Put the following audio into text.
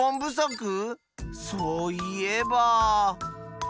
そういえば。